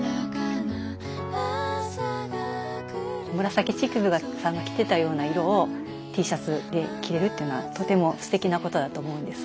紫式部さんが着てたような色をＴシャツで着れるっていうのはとてもすてきなことだと思うんです。